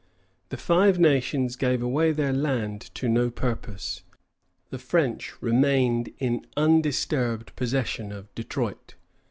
The Five Nations gave away their land to no purpose. The French remained in undisturbed possession of Detroit.